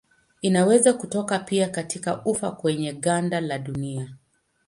Inaweza kutoka pia katika ufa kwenye ganda la dunia.